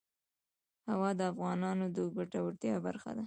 هوا د افغانانو د ګټورتیا برخه ده.